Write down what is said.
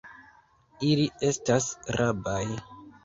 Ili estas rabaj.